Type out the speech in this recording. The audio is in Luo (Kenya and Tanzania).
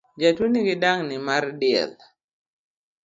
Jatuo nigi dangni mar del